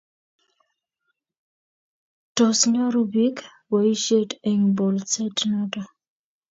tos nyoru biik boisiet eng' bolset noto?